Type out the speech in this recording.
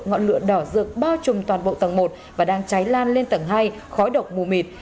ngọn lửa đỏ dược bao trùm toàn bộ tầng một và đang cháy lan lên tầng hai khói độc mù mịt